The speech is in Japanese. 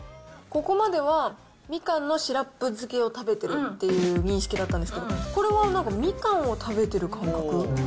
ここまではみかんのシラップ漬けを食べてるっていう認識だったんですけど、これはなんか、みかんを食べてる感覚。